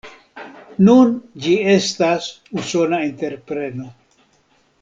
Nun ĝi estas Usona entrepreno.